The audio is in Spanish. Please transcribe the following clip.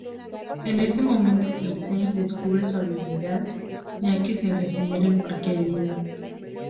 En ese momento, Kensei descubre su habilidad, ya que se regenera de cualquier herida.